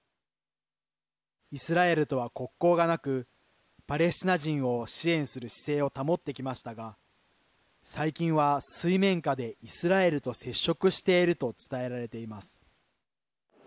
イスラエルとは国交がなくパレスチナ人を支援する姿勢を保ってきましたが最近は水面下でイスラエルと接触していると伝えられています。